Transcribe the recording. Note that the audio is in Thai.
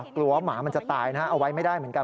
กลัวว่าหมามันจะตายนะฮะเอาไว้ไม่ได้เหมือนกัน